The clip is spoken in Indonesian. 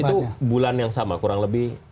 itu bulan yang sama kurang lebih